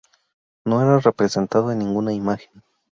No era representado en ninguna imagen.